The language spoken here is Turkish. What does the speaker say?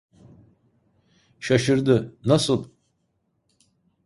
Şaşırdı: Nasıl…